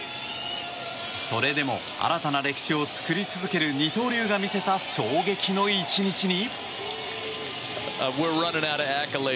それでも新たな歴史を作り続ける二刀流が見せた衝撃の１日に。